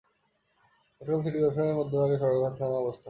Chittagong city কর্পোরেশনের মধ্যভাগে সদরঘাট থানার অবস্থান।